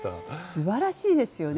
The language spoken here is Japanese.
すばらしいですよね。